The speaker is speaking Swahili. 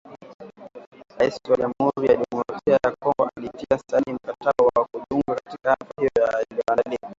Rais wa Jamhuri ya Kidemokrasia ya Kongo, alitia saini mkataba wa kujiunga, katika hafla iliyoandaliwa